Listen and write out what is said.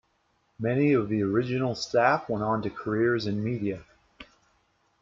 Many of the original staff went on to careers in media.